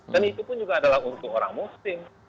dan itu pun juga adalah untuk orang muslim